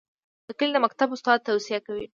د کلي د مکتب استاد توصیې کوي.